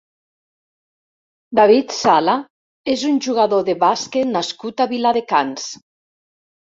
David Sala és un jugador de bàsquet nascut a Viladecans.